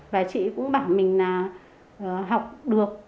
và chị cũng bảo mình là học được